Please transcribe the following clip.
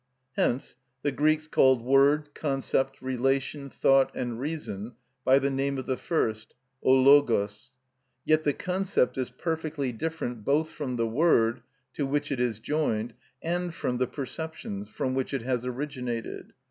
Hence the Greeks called word, concept, relation, thought, and reason by the name of the first, ὁ λογος. Yet the concept is perfectly different both from the word, to which it is joined, and from the perceptions, from which it has originated.